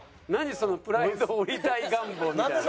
そのプライド折りたい願望みたいな。